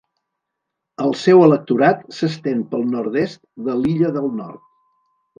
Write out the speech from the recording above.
El seu electorat s'estén pel nord-est de l'illa del Nord.